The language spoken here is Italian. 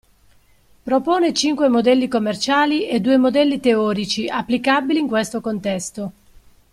Propone cinque modelli commerciali e due modelli teorici applicabili in questo contesto.